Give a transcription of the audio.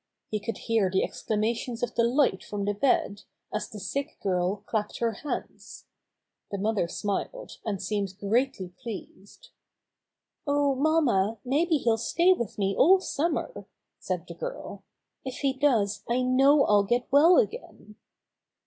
He could hear the exclamations of delight from the bed, as the sick girl clapped her hands. The mother smiled, and seemed greatly pleased. ''Oh, mamma, maybe he'll stay with me all summer," said the girl. "If he does I know I'll get well again."